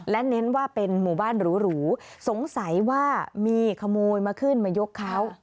และเน้นว่าเป็นหมู่บ้านหรูสงสัยว่ามีขโมยมาขึ้นมายกเขา